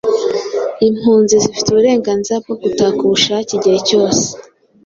Impunzi zifite uburenganzira bwo gutaha ku bushake igihe cyose.